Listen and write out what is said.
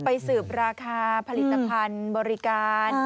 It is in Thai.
สืบราคาผลิตภัณฑ์บริการ